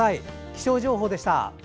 気象情報でした。